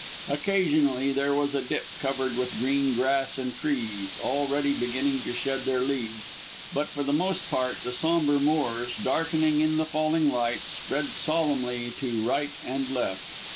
Occasionally there was a dip covered with green grass and trees, already beginning to shed their leaves, but for the most part the sombre moors, darkening in the failing light, spread solemnly to right and left.